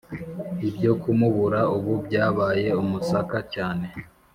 ibyo kumubura ubu byabaye umusaka cyane.